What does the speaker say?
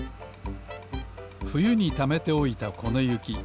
ふゆにためておいたこのゆき。